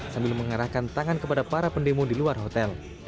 sambil mengarahkan tangan kepada para pendemo di luar hotel